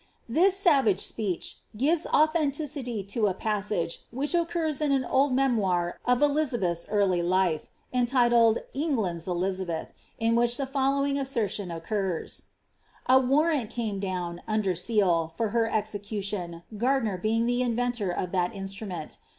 This savage speech gives authenticity to a passage which occdrs iSi an old memoir of Elizabeth's early Ufe, euLded England's Elizabeth, ' which the following assertion occurs :— "A warrant came down, under seal, for her execution, Gardiner bell the inventor of that instrument.